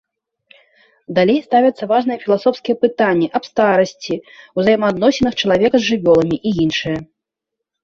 Далей ставяцца важныя філасофскія пытанні аб старасці, узаемаадносінах чалавека з жывёламі і іншыя.